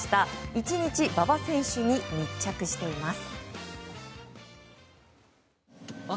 １日、馬場選手に密着しています。